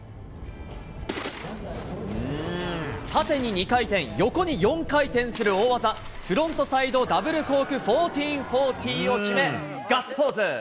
縦に２回転、横に４回転する大技、フロントサイドダブルコーク１４４０を決め、ガッツポーズ。